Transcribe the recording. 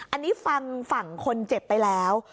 อันนี้ฟังฝั่งคนเจ็บไปแล้ว